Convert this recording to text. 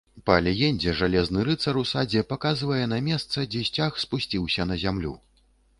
Па легендзе жалезны рыцар у садзе паказвае на месца, дзе сцяг спусціўся на зямлю.